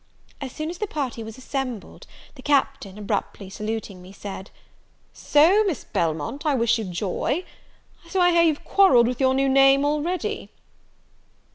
As soon as the party was assembled, the Captain, abruptly saluting me, said, "So, Miss Belmont, I wish you joy; so I hear you've quarrelled with your new name already?"